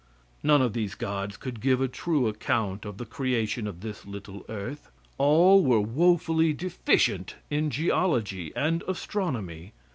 None of these gods could give a true account of the creation of this little earth. All were woefully deficient in geology and astronomy.